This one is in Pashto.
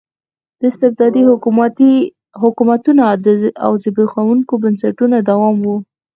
د استبدادي حکومتونو او زبېښونکو بنسټونو دوام و.